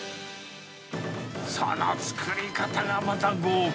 その作り方がまた豪快。